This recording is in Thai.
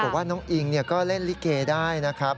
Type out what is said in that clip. บอกว่าน้องอิงก็เล่นลิเกได้นะครับ